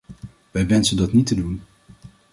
Wij wensen dat niet te doen.